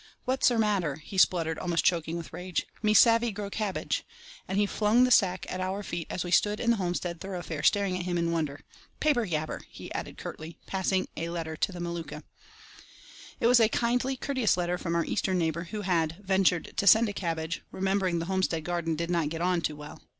"What's 'er matter?" he spluttered, almost choking with rage. "Me savey grow cabbage"; and he flung the sack at our feet as we stood in the homestead thoroughfare staring at him in wonder. "Paper yabber!" he added curtly, passing a letter to the Maluka. It was a kindly, courteous letter from our Eastern neighbour, who had "ventured to send a cabbage, remembering the homestead garden did not get on too well."